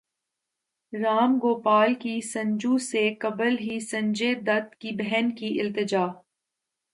رام گوپال کی سنجو سے قبل ہی سنجے دت کی بہن کی التجا